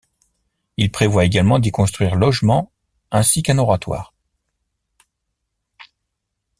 Il prévoit également d'y construire logements ainsi qu'un oratoire.